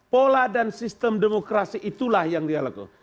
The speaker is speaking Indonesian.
pola dan sistem demokrasi itulah yang dialakukan